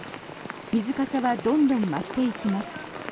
水かさはどんどん増していきます。